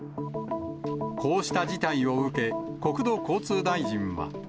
こうした事態を受け、国土交通大臣は。